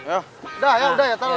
udah ya udah ya